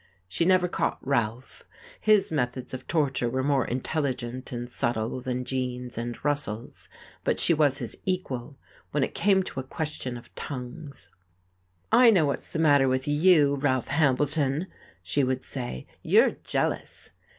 She never caught Ralph; his methods of torture were more intelligent and subtle than Gene's and Russell's, but she was his equal when it came to a question of tongues. "I know what's the matter with you, Ralph Hambleton," she would say. "You're jealous."